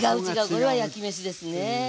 これは焼きめしですね。